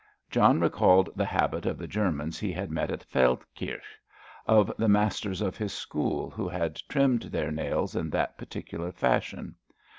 John recalled the habit of the Germans he had met at Feldkirch, of the masters of his school, who had trimmed their nails in that particular fashion.